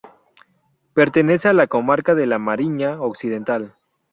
Pertenece a la Comarca de La Mariña Occidental.